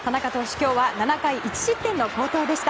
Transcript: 今日は７回１失点の好投でした。